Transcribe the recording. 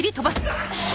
あっ！